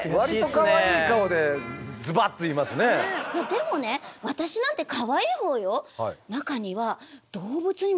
でもね私なんてかわいいほうよ。